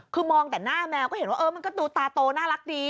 คือมองแต่หน้าแมวก็ดูตาโตน่ารักดี